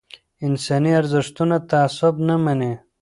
انساني ارزښتونه تعصب نه مني